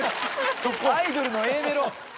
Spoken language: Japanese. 『アイドル』のＡメロ。